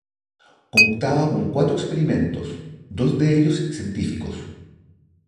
Contaba con cuatro experimentos, dos de ellos científicos.